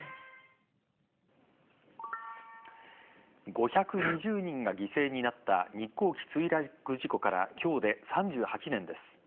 ５２０人が犠牲になった日航機墜落事故から今日で３８年です。